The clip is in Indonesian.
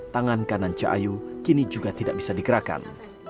tangan kanan cahayu kini juga tidak bisa digerakkan